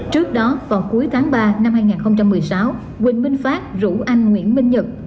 trước đó vào cuối tháng ba năm hai nghìn một mươi sáu huỳnh minh phát rủ anh nguyễn minh nhật